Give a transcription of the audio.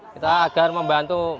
kita agar membantu